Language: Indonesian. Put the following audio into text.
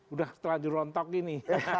udah terlanjur rontok ini